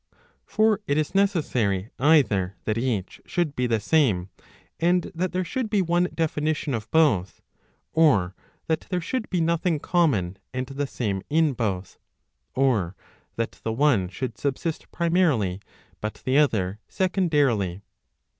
For it is necessary either that each should be the same, and that there should be one definition of both, or that there should be nothing common and the same in both, or that the one should subsist primarily, but the other secondarily.